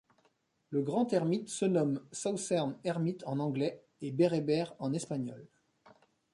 Le Grand hermite se nomme Southern Hermit en anglais et Beréber en espagnol.